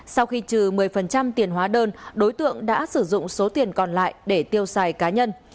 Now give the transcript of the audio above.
sau khi trừ một mươi tiền hóa đơn đối tượng đã sử dụng số tiền còn lại để tiêu xài cá nhân